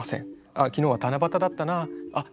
「昨日は七夕だったなあっ